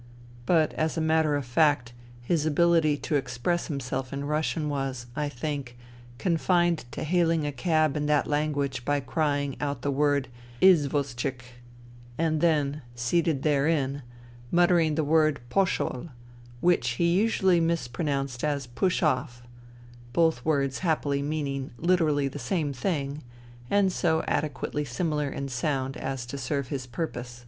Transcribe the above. But, as a matter of fact, his ability to express himself in Russian was, I think, confined to hailing a cab in that language by crying out the word " Izvozchik," and then, seated therein, muttering the w^ord " Poshol I " which he usually mispronounced as " Push off "— ^both words happily meaning literally the same thing and so adequately similar in sound as to serve his purpose.